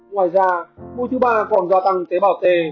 ngoài ra môn thứ ba còn gia tăng tế bào t